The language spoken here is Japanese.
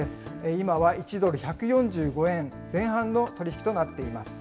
今は１ドル１４５円前半の取り引きとなっています。